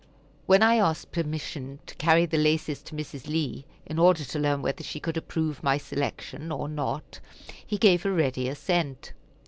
When I asked permission to carry the laces to Mrs. Lee, in order to learn whether she could approve my selection or not, he gave a ready assent.